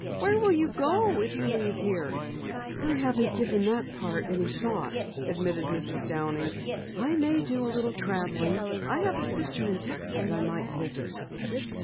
"Where will you go if you leave here?" "I haven't given that part any thought," admitted Mrs. Downey. "I may do a little traveling. I have a sister in Texas I might visit."